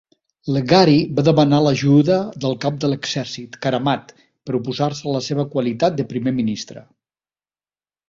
Leghari va demanar l'ajuda del cap de l'exèrcit, Karamat, per oposar-se a la seva qualitat de Primer Ministre.